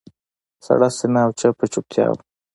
سړه سینه او چپه چوپتیا وه.